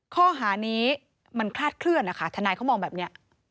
ข้อหานี้มันคลาดเคลื่อนนะคะทนายเขามองแบบนี้